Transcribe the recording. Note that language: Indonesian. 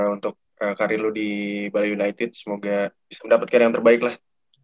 untuk karir lo di bali united semoga bisa mendapatkan yang terbaik lah